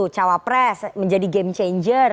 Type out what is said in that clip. cawa pres menjadi game changer